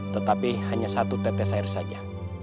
tetapi hanya satu tetes air saja